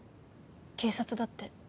警察だって。